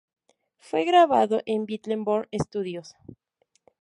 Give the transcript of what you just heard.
Fue grabado en Battle Born Studios.